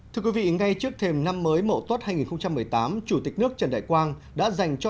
thưa quý vị ngay trước thêm năm mới mộ tốt hai nghìn một mươi tám chủ tịch nước trần đại quang đã dành cho